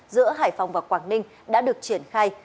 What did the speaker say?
giữa hải phòng và quảng ninh đã được triển khai